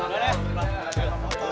men cabut men